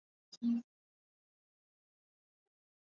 maneno na ahadi zake katika mikutano kadhaa ambayo imefanyika